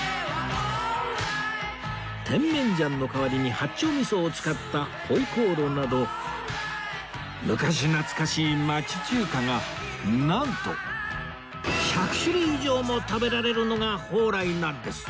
甜麺醤の代わりに八丁味噌を使った回鍋肉など昔懐かしい町中華がなんと１００種類以上も食べられるのが宝来なんです